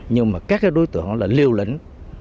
nhưng mà các đối tượng là liêu lĩnh